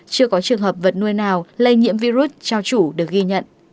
chưa có trường hợp vật nuôi nào lây nhiễm virus trao chủ được ghi nhận